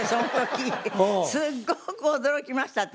すっごく驚きました私。